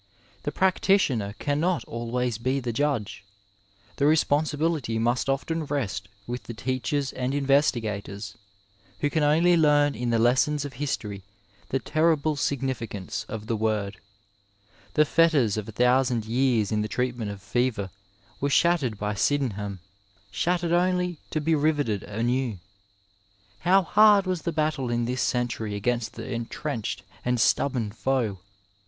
The practitioner cannot always be the judge; the responsibility must often rest with the teachers and investigators, who can only learn in the lessons of history the terrible significance of the word. The fetters of a thousand years in the treatment of fever were shattered by Sydenham, shattered only to be riveted anew. How hard was the battle in this century against the entrenched and stubborn foe